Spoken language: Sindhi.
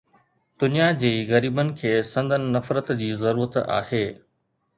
دنيا جي غريبن کي سندن نفرت جي ضرورت آهي